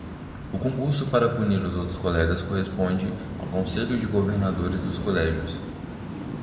O concurso para punir os outros colegas corresponde ao Conselho de Governadores dos colégios.